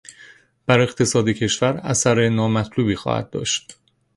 بر اقتصاد کشور اثر نامطلوبی خواهد داشت.